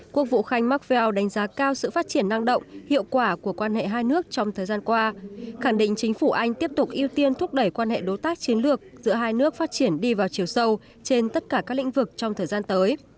quốc vụ khanh makfell đánh giá cao sự phát triển năng động hiệu quả của quan hệ hai nước trong thời gian qua khẳng định chính phủ anh tiếp tục ưu tiên thúc đẩy quan hệ đối tác chiến lược giữa hai nước phát triển đi vào chiều sâu trên tất cả các lĩnh vực trong thời gian tới